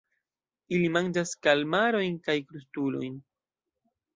Ili manĝas kalmarojn kaj krustulojn.